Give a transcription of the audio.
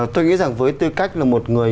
tôi nghĩ rằng với tư cách là một người